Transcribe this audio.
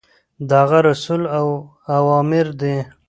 د هغه رسول اوامر دي.